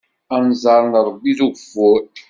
Anẓar d Ṛebbi n ugeffur.